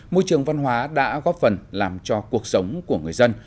môi trường văn hóa đã góp phần làm cho cuộc sống của người dân